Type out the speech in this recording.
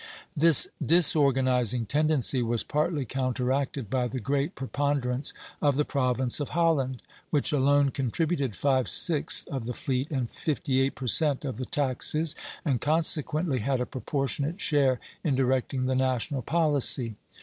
This disorganizing tendency was partly counteracted by the great preponderance of the Province of Holland, which alone contributed five sixths of the fleet and fifty eight per cent of the taxes, and consequently had a proportionate share in directing the national policy.